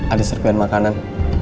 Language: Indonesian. ada serbien makanan